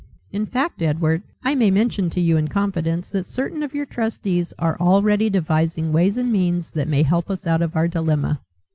In fact, Edward, I may mention to you in confidence that certain of your trustees are already devising ways and means that may help us out of our dilemma."